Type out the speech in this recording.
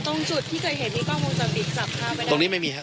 ตรงจุดที่เกิดเห็นนี่ก็มองจะบิดจับผ้าไปได้ไหม